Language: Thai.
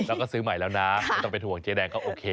แล้วก็ซื้อใหม่แล้วนะไม่ต้องเป็นห่วงเจ๊แดงก็โอเค